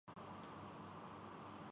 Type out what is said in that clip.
ان کی سوچ بھی سیکولر اور لبرل ہے۔